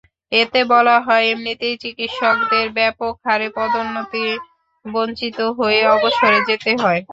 এতে বলা হয়, এমনিতেই চিকিৎসকদের ব্যাপক হারে পদোন্নতিবঞ্চিত হয়ে অবসরে যেতে হয়।